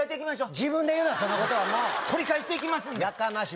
自分で言うなそんなことは取り返していきますんでやかましい